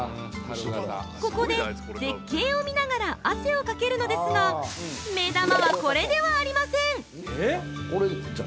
ここで、絶景を見ながら汗をかけるのですが、目玉はこれではありません！！